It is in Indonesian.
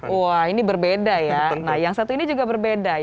wah ini berbeda ya nah yang satu ini juga berbeda